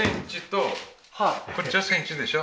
こっちはセンチでしょ？